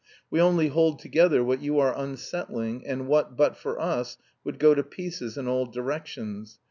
We only hold together what you are unsettling, and what, but for us, would go to pieces in all directions.